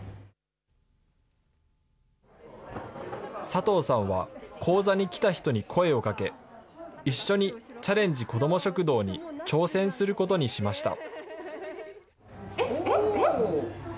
佐藤さんは、講座に来た人に声をかけ、一緒にチャレンジこども食堂に挑戦することにしました。